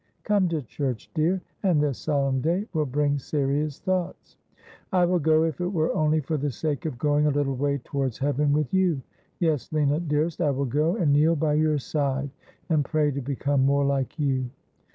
' Come to church, dear, and this solemn day will bring serious thoughts.' ' I would go if it were only for the sake of going a little way towards heaven with you. Yes, Lina dearest, I will go and kneel by your side, and pray to become more like you.'